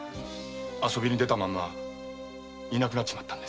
遊びに出たままいなくなったんです。